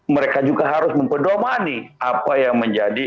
mereka juga harus mempedomani apa yang menjadi